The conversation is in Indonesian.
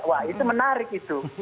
wah itu menarik itu